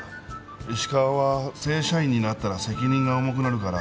石川は「正社員になったら責任が重くなるから」